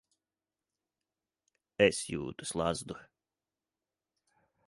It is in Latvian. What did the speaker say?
Es jūtu slazdu.